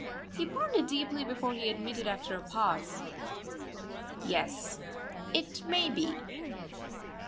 He pondered deeply before he admitted after a pause: "Yes, it may be."